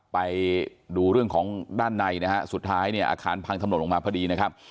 ไปดูเรื่องของด้านในสุดท้ายอาคารพังทำหนดลงมาพอดี